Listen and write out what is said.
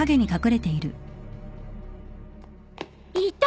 いた！